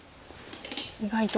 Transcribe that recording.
意外と。